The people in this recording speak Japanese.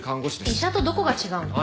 医者とどこが違うの？